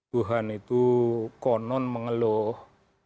tuhan itu konon mengeluh